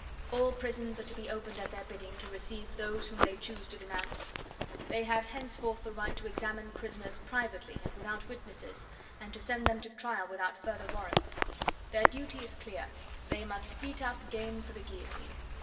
All prisons are to be opened at their bidding to receive those whom they choose to denounce; they have henceforth the right to examine prisoners privately and without witnesses, and to send them to trial without further warrants; their duty is clear they must 'beat up game for the guillotine.